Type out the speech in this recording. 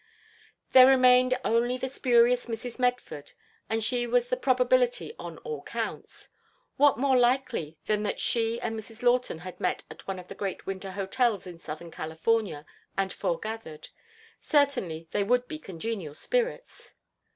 There remained only the spurious Mrs. Medford, and she was the probability on all counts. What more likely than that she and Mrs. Lawton had met at one of the great winter hotels in Southern California, and foregathered? Certainly they would be congenial spirits.